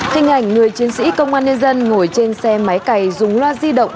hình ảnh người chiến sĩ công an nhân dân ngồi trên xe máy cày dùng loa di động